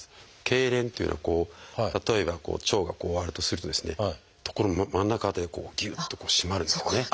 けいれんっていうのは例えばこう腸がこうあるとするとですね真ん中辺りでこうぎゅっと締まるんですよね。